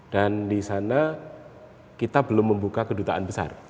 di sana kita belum membuka kedutaan besar